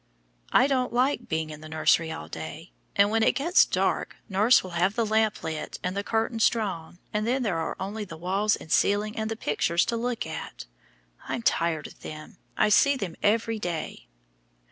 "I don't like being in the nursery all day; and when it gets dark, nurse will have the lamp lit and the curtains drawn, and then there are only the walls and ceiling and the pictures to look at. I'm tired of them; I see them every day."